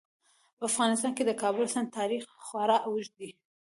په افغانستان کې د کابل سیند تاریخ خورا اوږد دی.